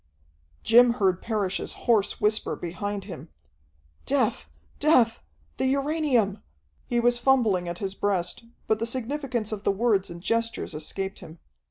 Jim heard Parrish's hoarse whisper behind him, "Death! Death! The uranium!" He was fumbling at his breast, but the significance of the words and gestures escaped him.